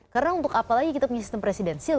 karena untuk apa lagi kita punya sistem presidensil